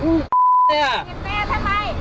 ถีบแม่ทำไม